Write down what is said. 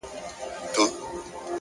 مثبت ذهن پر رڼا تمرکز کوي.!